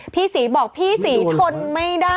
พี่ศรีบอกพี่ศรีทนไม่ได้